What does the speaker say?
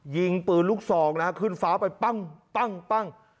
ยิงปืนลูกศองนะครับขึ้นฟ้าไปปั้งปั้งปั้ง